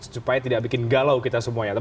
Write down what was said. supaya tidak bikin galau kita semua ya